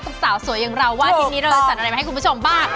สาวสวยอย่างเราว่าอาทิตย์นี้เราจะจัดอะไรมาให้คุณผู้ชมบ้าง